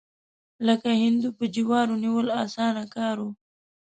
لکه هندو په جوارو نیول، اسانه کار و.